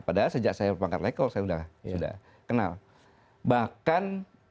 padahal sejak saya berpangkat lekol saya sudah kenal bahkan